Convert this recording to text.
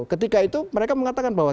ketika itu mereka mengatakan bahwa